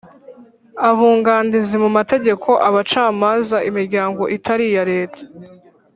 Abunganizi mu Mategeko Abacamanza Imiryango itari iya Leta